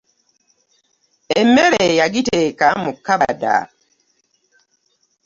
Emmere yagiteka mu kabada.